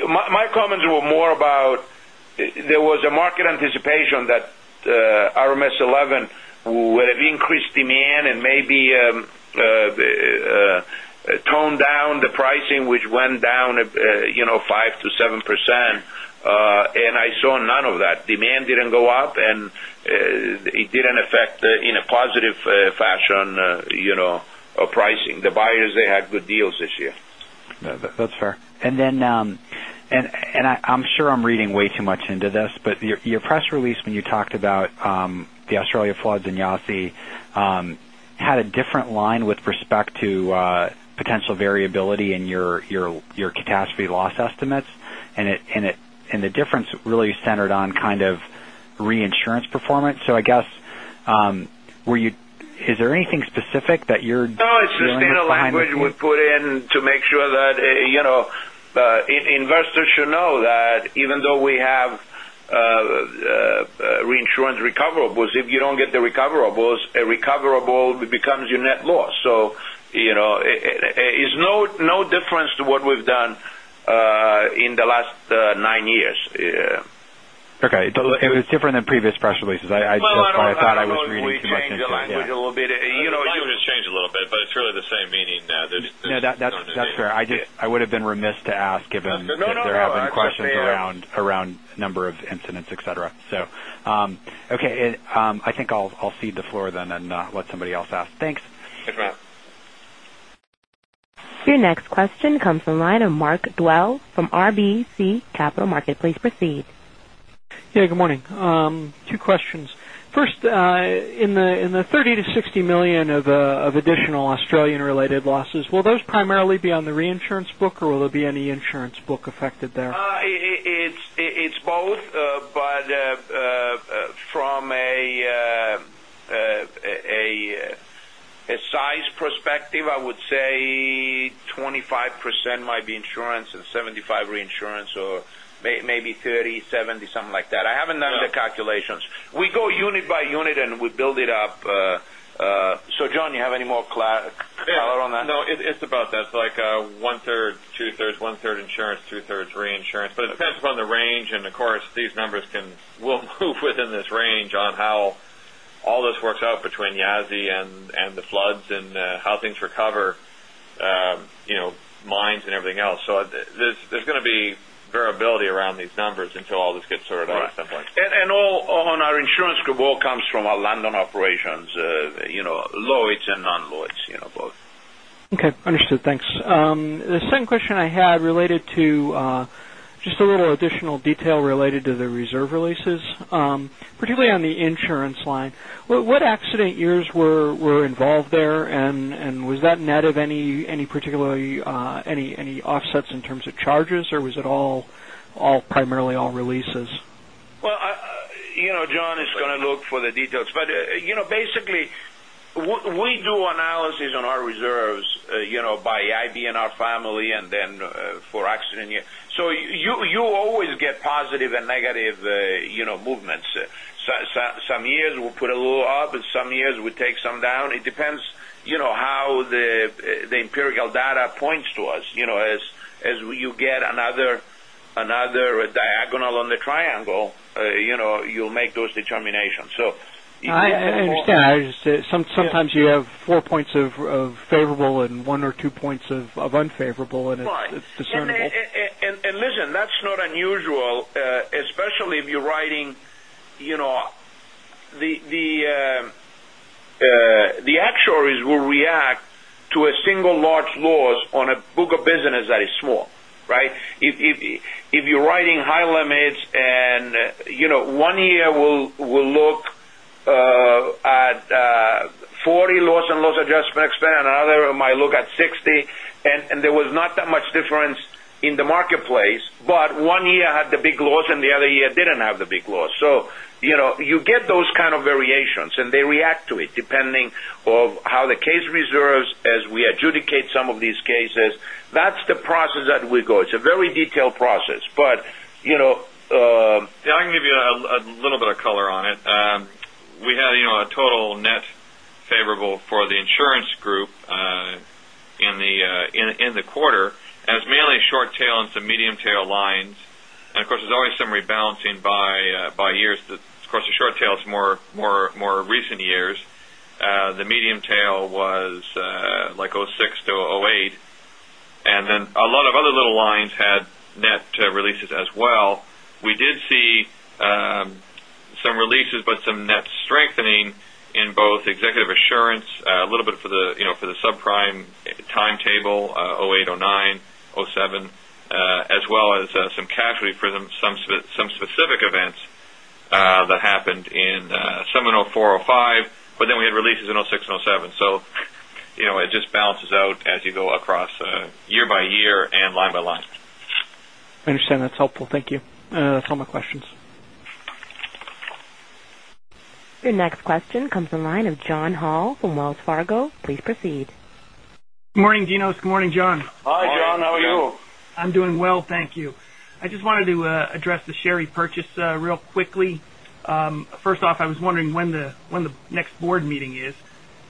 S2: My comments were more about there was a market anticipation that RMS 11 would have increased demand and maybe toned down the pricing, which went down 5%-7%. I saw none of that. Demand didn't go up, and it didn't affect in a positive fashion pricing. The buyers had good deals this year.
S7: That's fair. I'm sure I'm reading way too much into this, but your press release when you talked about the Australia floods and Yasi had a different line with respect to potential variability in your catastrophe loss estimates, the difference really centered on kind of reinsurance performance. I guess, is there anything specific that you're dealing with behind the scenes?
S2: No, it's just the language we put in to make sure that investors should know that even though we have reinsurance recoverables, if you don't get the recoverables, a recoverable becomes your net loss. It's no difference to what we've done in the last nine years.
S7: Okay. It was different than previous press releases. I thought I was reading too much into it.
S2: We changed the language a little bit.
S7: Yeah.
S2: The language was changed a little bit, but it's really the same meaning. There's no new data.
S7: No, that's fair. I would have been remiss to ask given.
S2: No.
S7: If there have been questions around number of incidents, et cetera. Okay. I think I'll cede the floor then and let somebody else ask. Thanks.
S2: Thanks, Matt.
S1: Your next question comes from the line of Mark Dwelle from RBC Capital Markets. Please proceed.
S8: Good morning. Two questions. First, in the $30 million-$60 million of additional Australian-related losses, will those primarily be on the reinsurance book or will there be any insurance book affected there?
S2: It's both. From a size perspective, I would say 25% might be insurance and 75 reinsurance, or maybe 30/70, something like that. I haven't done the calculations. We go unit by unit, and we build it up. John, you have any more color on that?
S3: No, it's about that. Like one-third, two-thirds. One-third insurance, two-thirds reinsurance. It depends upon the range, and of course, these numbers will move within this range on how all this works out between Yasi and the floods and how things recover, mines and everything else. There's going to be variability around these numbers until all this gets sorted out at some point.
S2: All on our insurance group all comes from our London operations. Lloyd's and non-Lloyd's, both.
S8: Okay, understood. Thanks. The second question I had related to just a little additional detail related to the reserve releases, particularly on the insurance line. What accident years were involved there, and was that net of any offsets in terms of charges, or was it primarily all releases?
S2: John is going to look for the details. Basically, we do analysis on our reserves by IBNR family and then for accident year. You always get positive and negative movements. Some years we'll put a little up, and some years we take some down. It depends how the empirical data points to us. As you get another diagonal on the triangle, you'll make those determinations.
S8: I understand. Sometimes you have four points of favorable and one or two points of unfavorable, it's discernible.
S2: Listen, that's not unusual, especially if you're writing. The actuaries will react to a single large loss on a book of business that is small, right? If you're writing high limits one year we'll look at 40 loss and loss adjustment expense, another might look at 60. There was not that much difference in the marketplace. One year had the big loss and the other year didn't have the big loss. You get those kind of variations, and they react to it depending of how the case reserves, as we adjudicate some of these cases. That's the process that we go. It's a very detailed process.
S3: I can give you a little bit of color on it. We had a total net favorable for the insurance group in the quarter as mainly short tail and some medium tail lines. Of course, there's always some rebalancing by years. Of course, the short tail is more recent years. The medium tail was like 2006 to 2008. A lot of other little lines had net releases as well. We did see some releases, some net strengthening in both executive assurance, a little bit for the subprime timetable, 2008, 2009, 2007, as well as some casualty for some specific events that happened in some in 2004, 2005. We had releases in 2006 and 2007. It just balances out as you go across year by year and line by line.
S8: I understand. That's helpful. Thank you. That's all my questions.
S1: Your next question comes from the line of John Hall from Wells Fargo. Please proceed.
S9: Good morning, Dinos. Good morning, John.
S2: Hi, John. How are you?
S3: Morning, John.
S9: I'm doing well, thank you. I just wanted to address the share repurchase real quickly. First off, I was wondering when the next board meeting is.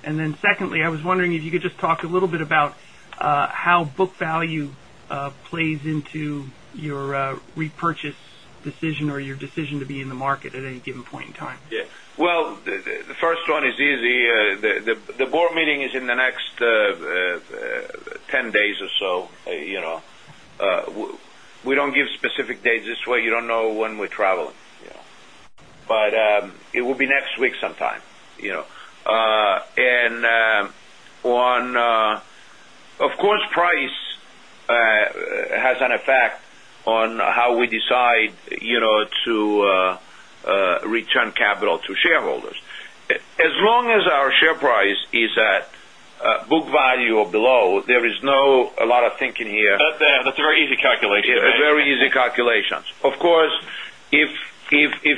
S9: Secondly, I was wondering if you could just talk a little bit about how book value plays into your repurchase decision or your decision to be in the market at any given point in time.
S2: Yeah. Well, the first one is easy. The board meeting is in the next 10 days or so. We don't give specific dates. This way you don't know when we're traveling.
S3: Yeah.
S2: It will be next week sometime. Of course, price has an effect on how we decide to return capital to shareholders. As long as our share price is at book value or below, there is not a lot of thinking here.
S3: That's a very easy calculation to make.
S2: It's a very easy calculation. Of course, if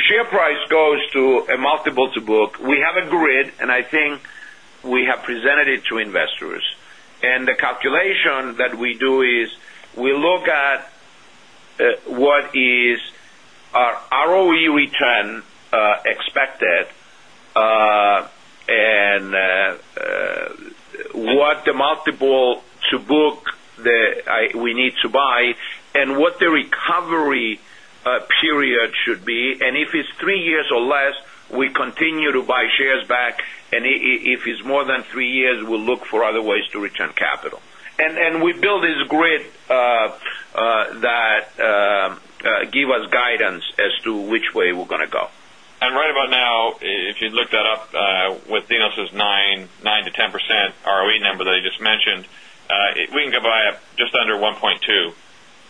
S2: share price goes to a multiple to book, we have a grid, and I think we have presented it to investors. The calculation that we do is we look at what is our ROE return expected, and what the multiple to book that we need to buy, and what the recovery period should be. If it's three years or less, we continue to buy shares back. If it's more than three years, we'll look for other ways to return capital. We build this grid give us guidance as to which way we're going to go.
S3: Right about now, if you look that up, with Dinos' 9% to 10% ROE number that he just mentioned, we can go buy up just under 1.2.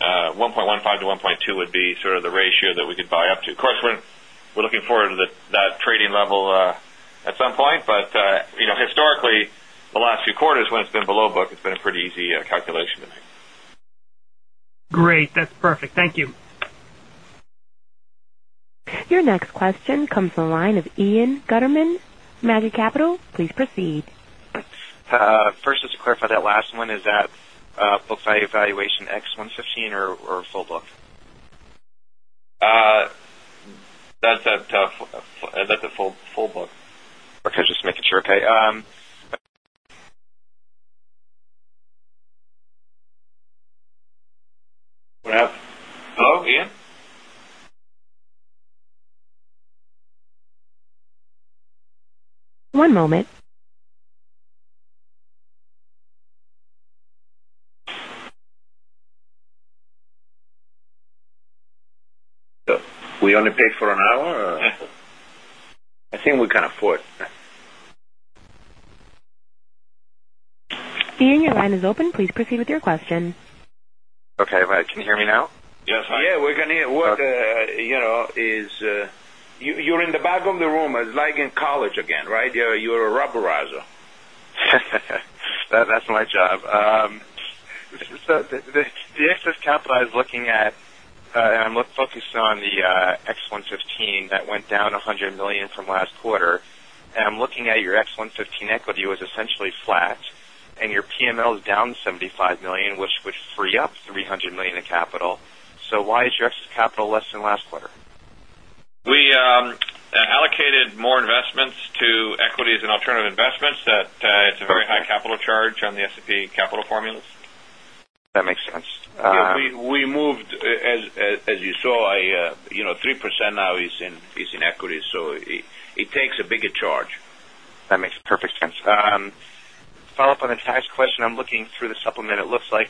S3: 1.15 to 1.2 would be sort of the ratio that we could buy up to. Of course, we're looking forward to that trading level at some point. Historically, the last few quarters when it's been below book, it's been a pretty easy calculation to make.
S9: Great. That's perfect. Thank you.
S1: Your next question comes from the line of Ian Gutterman, Macquarie Capital. Please proceed.
S10: First, just to clarify that last one, is that book value valuation ex 115 or full book?
S3: That's at the full book.
S10: Okay, just making sure. Okay.
S3: What happened? Hello, Ian?
S1: One moment.
S2: We only pay for an hour? I think we can afford.
S1: Ian, your line is open. Please proceed with your question.
S10: Okay. Can you hear me now?
S3: Yes.
S2: Yeah, we can hear. You're in the back of the room. It's like in college again, right? You're a reinsurer.
S10: That's my job. The excess capital I was looking at, I'm focused on the ex 115 that went down $100 million from last quarter. I'm looking at your ex 115 equity was essentially flat and your PML is down $75 million, which would free up $300 million in capital. Why is your excess capital less than last quarter?
S3: We allocated more investments to equities and alternative investments that it's a very high capital charge on the SAP capital formulas.
S10: That makes sense.
S2: We moved, as you saw, 3% now is in equities, so it takes a bigger charge.
S10: That makes perfect sense. Follow-up on the tax question. I'm looking through the supplement. It looks like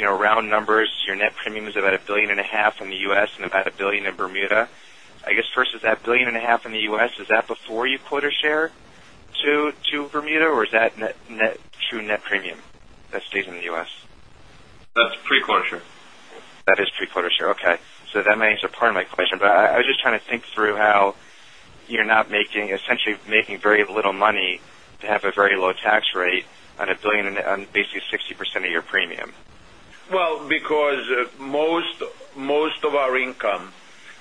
S10: round numbers, your net premium is about a billion and a half in the U.S. and about $1 billion in Bermuda. I guess first, is that billion and a half in the U.S., is that before you quota share to Bermuda, or is that true net premium that stays in the U.S.?
S3: That's pre-quota share.
S10: That is pre-quota share. Okay. That answers part of my question, but I was just trying to think through how you're essentially making very little money to have a very low tax rate on $1 billion, on basically 60% of your premium.
S2: Well, because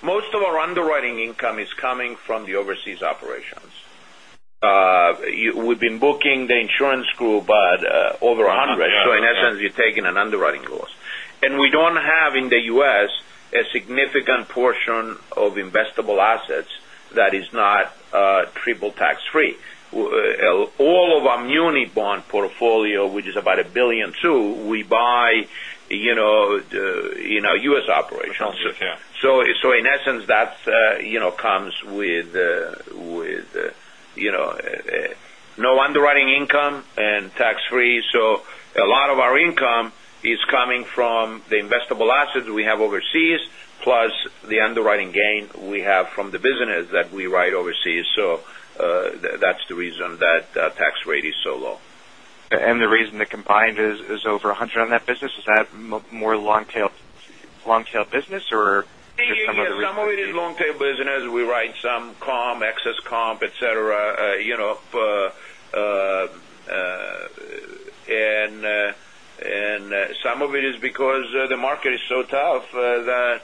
S2: most of our underwriting income is coming from the overseas operations. We've been booking the insurance group, but over 100%. In essence, you're taking an underwriting loss. We don't have in the U.S. a significant portion of investable assets that is not triple tax-free. All of our muni bond portfolio, which is about $1.2 billion, we buy U.S. operations.
S3: Yeah.
S2: In essence, that comes with no underwriting income and tax-free. A lot of our income is coming from the investable assets we have overseas, plus the underwriting gain we have from the businesses that we write overseas. That's the reason that tax rate is so low.
S10: The reason the combined is over 100% on that business, is that more long-tail business, or just some of the reasons-
S2: Some of it is long-tail business. We write some comp, excess comp, et cetera, and some of it is because the market is so tough that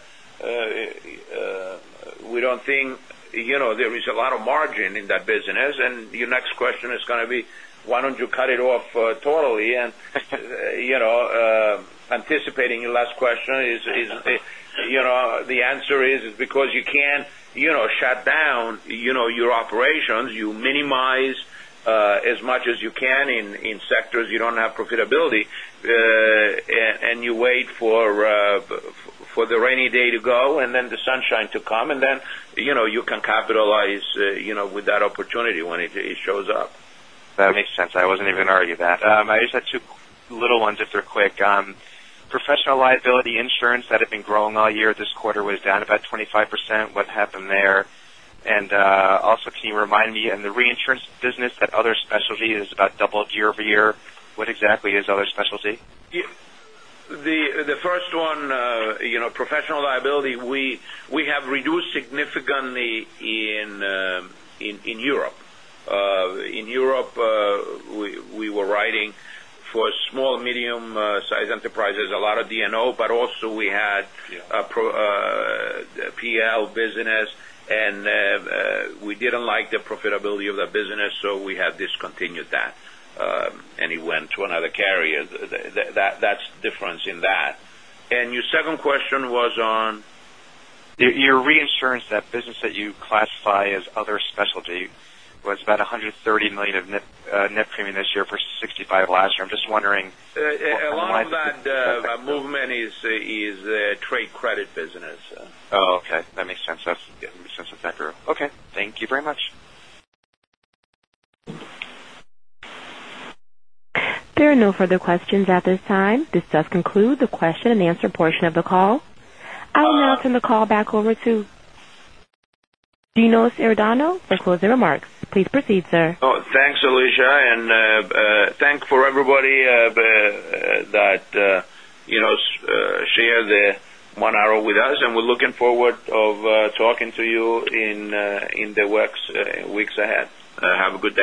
S2: we don't think there is a lot of margin in that business. Your next question is going to be, why don't you cut it off totally? Anticipating your last question is, the answer is because you can't shut down your operations. You minimize as much as you can in sectors you don't have profitability, and you wait for the rainy day to go and then the sunshine to come, and then you can capitalize with that opportunity when it shows up.
S10: That makes sense. I wasn't even going to argue that. I just had two little ones if they're quick. Professional liability insurance that had been growing all year this quarter was down about 25%. What happened there? Also, can you remind me, in the reinsurance business, that other specialty is about double year-over-year. What exactly is other specialty?
S2: The first one, professional liability, we have reduced significantly in Europe. In Europe, we were writing for small, medium-sized enterprises, a lot of D&O, but also we had PL business, we didn't like the profitability of that business, so we have discontinued that, it went to another carrier. That's the difference in that. Your second question was on?
S10: Your reinsurance, that business that you classify as other specialty, was about $130 million of net premium this year versus $65 last year. I'm just wondering what combines-
S2: A lot of that movement is trade credit business.
S10: Oh, okay. That makes sense. That's getting the sense of that group. Okay. Thank you very much.
S1: There are no further questions at this time. This does conclude the question and answer portion of the call. I will now turn the call back over to Dinos Iordanou for closing remarks. Please proceed, sir.
S2: Oh, thanks, Alicia, and thank for everybody that share the one hour with us, and we're looking forward of talking to you in the weeks ahead. Have a good day.